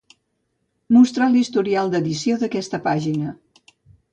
Mostrar l'historial d'edició d'aquesta pàgina.